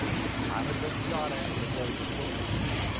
I had been shot at the day before.